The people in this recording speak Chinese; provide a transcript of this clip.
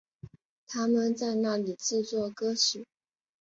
他们在那里制作歌曲。